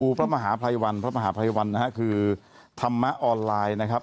อู๋พระมหาภัยวันคือธรรมะออนไลน์นั้นครับ